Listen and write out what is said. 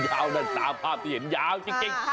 นั่นตามภาพที่เห็นยาวจริง